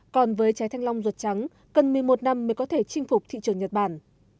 còn với trái thanh long ruột trắng cần một mươi một năm mới có thể chinh phục thị trường nhật bản